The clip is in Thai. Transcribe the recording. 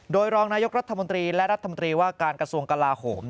โดยรองนายกรัฐมนตรีและรัฐมนตรีว่าการกระทรวงกลาโหม